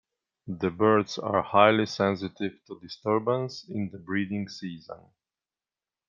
The birds are highly sensitive to disturbance in the breeding season.